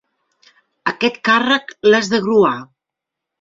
Aquest càrrec, l'has de gruar!